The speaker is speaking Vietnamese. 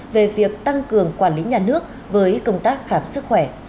về việc tăng cường quản lý nhà nước với công tác khám sức khỏe